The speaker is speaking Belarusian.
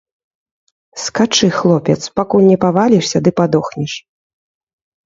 Скачы, хлопец, пакуль не павалішся ды падохнеш.